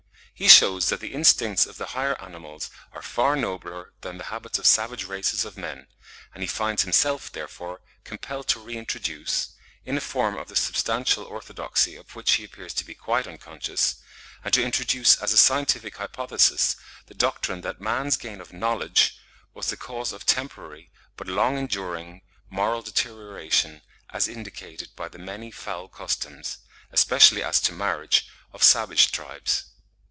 He shews that the instincts of the higher animals are far nobler than the habits of savage races of men, and he finds himself, therefore, compelled to re introduce,—in a form of the substantial orthodoxy of which he appears to be quite unconscious,—and to introduce as a scientific hypothesis the doctrine that man's gain of KNOWLEDGE was the cause of a temporary but long enduring moral deterioration as indicated by the many foul customs, especially as to marriage, of savage tribes.